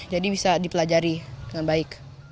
jadi bisa dipelajari dengan baik